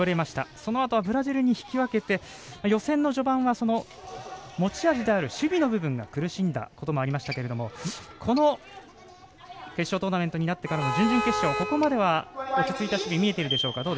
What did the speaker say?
そのあとはブラジルに引き分けて、予選の序盤は持ち味である守備の部分が苦しんだこともありましたが決勝トーナメントになってからの準々決勝、ここまでは落ち着いた守備が見えているでしょうか。